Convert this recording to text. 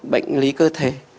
bệnh lý cơ thể